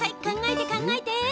考えて考えて。